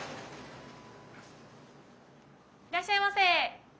いらっしゃいませ。